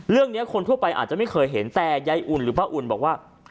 คนทั่วไปอาจจะไม่เคยเห็นแต่ยายอุ่นหรือป้าอุ่นบอกว่า